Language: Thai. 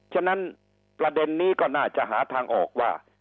ฉะนั้นประเด็นนี้ก็น่าจะหาทางออกว่า